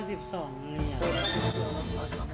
เวป๑๒เนี่ย